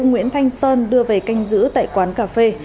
nguyễn thanh sơn đưa về canh giữ tại quán cà phê